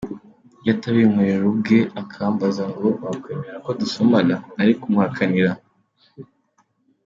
Iyo atabinkorera ubwe akambaza ngo ‘wakwemera ko dusomana?’ , nari kumuhakanira.